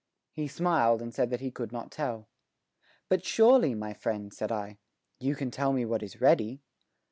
He smiled, and said that he could not tell. "But surely, my friend," said I, "you can tell me what is ready?"